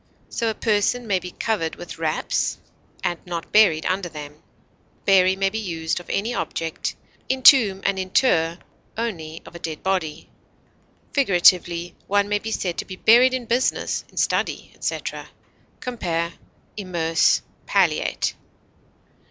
So a person may be covered with wraps, and not buried under them. Bury may be used of any object, entomb and inter only of a dead body. Figuratively, one may be said to be buried in business, in study, etc. Compare IMMERSE; PALLIATE.